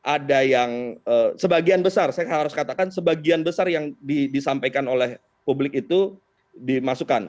ada yang sebagian besar saya harus katakan sebagian besar yang disampaikan oleh publik itu dimasukkan